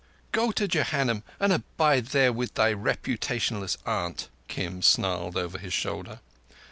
"Go to Jehannum and abide there with thy reputationless aunt!" Kim snarled over his shoulder.